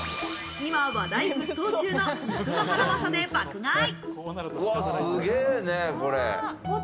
今、話題沸騰中の肉のハナマサで爆買い。